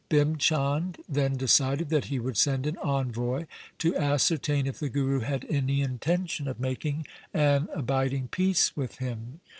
Bhim Chand then decided that he would send an envoy to ascertain if the Guru had any intention of making an abiding peace with him.